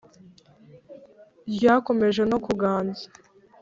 Ryakomeje no kuganza